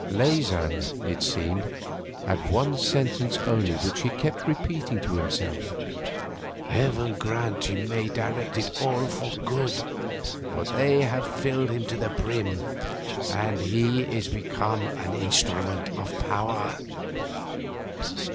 Leysin, it seemed, had one sentence only which he kept repeating to himself 'Heaven grant he may direct it all for good. For they have filled him to the brim, and he is become an instrument of power.